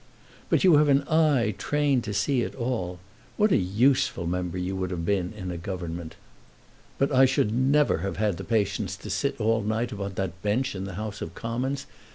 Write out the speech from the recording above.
"But you have an eye trained to see it all. What a useful member you would have been in a government!" "But I should never have had patience to sit all night upon that bench in the House of Commons.